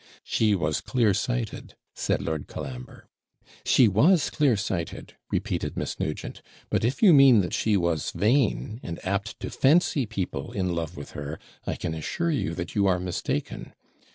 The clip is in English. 'She was clear sighted,' said Lord Colambre. 'She was clear sighted,' repeated Miss Nugent; 'but if you mean that she was vain, and apt to fancy people in love with her, I can assure you that you are mistaken.